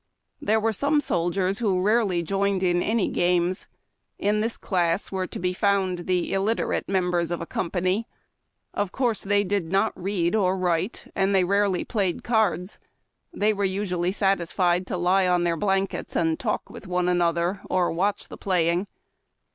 There were some soldiers who rarely joined in any games. In this class were to be found the illiterate members of a company. Of course they did not read or write, and they rarely played cards. They were usually satisfied to lie on their blankets, and talk with one another, or watch the playing.